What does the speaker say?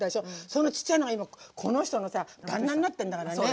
そのちっちゃいのが今この人のさ旦那になってんだからね。